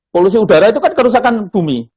polusi udara itu kan kerusakan bumi